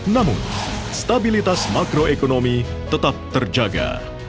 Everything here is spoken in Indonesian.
namun stabilitas makroekonomi tetap terjaga